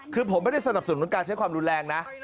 คือผมไม่ได้สนับสนุนการใช้ความรุนแรงนะ